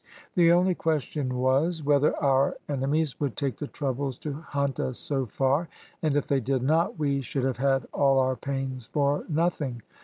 The only question was, whether our enemies would take the trouble to hunt us so far, and if they did not, we should have had all our pains for nothing.